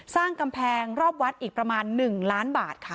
สร้างกำแพงรอบวัดอีกประมาณ๑ล้านบาทค่ะ